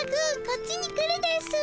こっちに来るですぅ。